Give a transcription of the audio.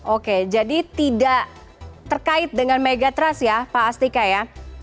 oke jadi tidak terkait dengan megatrust ya pak astika ya